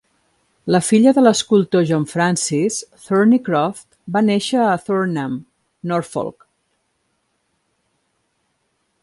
La filla de l'escultor John Francis, Thornycroft, va néixer a Thornham, Norfolk.